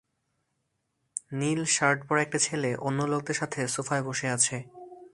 নীল shirt পরা একটি ছেলে অন্য লোকদের সাথে সোফায় বসে আছে।